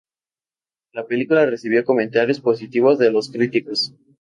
La película recibió comentarios positivos de los críticos.